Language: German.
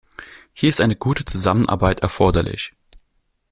Hier ist eine gute Zusammenarbeit erforderlich.